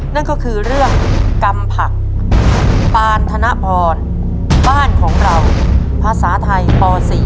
นั่นก็คือเรื่องกำผักปานธนพรบ้านของเราภาษาไทยป๔